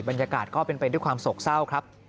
บรรยากาศก็เป็นไปด้วยความโศกเศร้าครับ